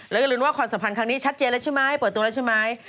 แล้วก็ลุ้นว่าความสัมพันธ์ครั้งนี้ชัดเจนแล้วใช่ไหมเปิดตัวแล้วใช่ไหม